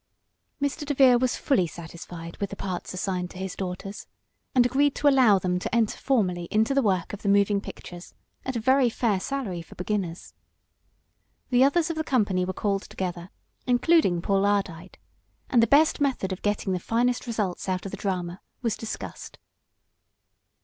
Mr. DeVere was fully satisfied with the parts assigned to his daughters, and agreed to allow them to enter formally into the work of the moving pictures at a very fair salary for beginners. The others of the company were called together, including Paul Ardite, and the best method of getting the finest results out of the drama was discussed.